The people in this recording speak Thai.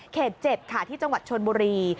๗ค่ะที่จังหวัดชนบุรี